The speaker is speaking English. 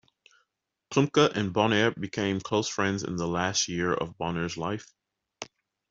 Klumpke and Bonheur became close friends in the last year of Bonheur's life.